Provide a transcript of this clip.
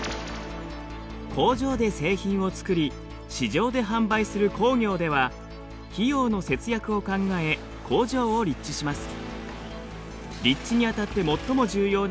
工場で製品を作り市場で販売する工業では費用の節約を考え工場を立地します。